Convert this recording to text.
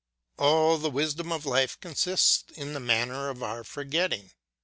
All the wisdom of life consists in the manner of our forgetting.